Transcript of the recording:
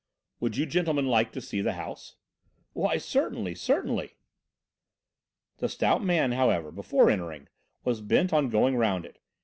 "Would you gentlemen like to see the house?" "Why, certainly, certainly." The stout man, however, before entering, was bent on going round it.